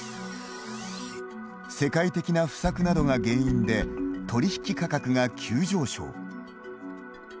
世界的な不作などが原因で取引価格が急上昇。